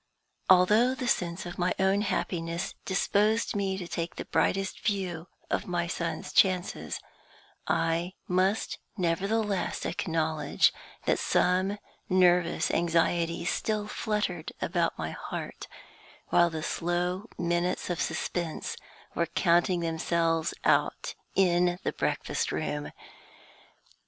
Although the sense of my own happiness disposed me to take the brightest view of my son's chances, I must nevertheless acknowledge that some nervous anxieties still fluttered about my heart while the slow minutes of suspense were counting themselves out in the breakfast room.